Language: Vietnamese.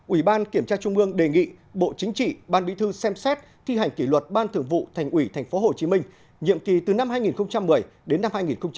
ủy ban kiểm tra trung ương đề nghị bộ chính trị ban bí thư xem xét thi hành kỷ luật ban thường vụ thành ủy tp hcm nhiệm kỳ từ năm hai nghìn một mươi đến năm hai nghìn một mươi năm